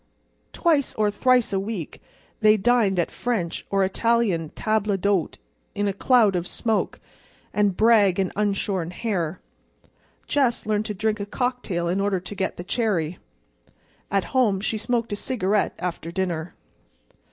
Twice or thrice a week they dined at French or Italian tables d'hôte in a cloud of smoke, and brag and unshorn hair. Jess learned to drink a cocktail in order to get the cherry. At home she smoked a cigarette after dinner.